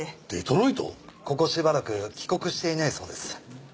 ここしばらく帰国していないそうです。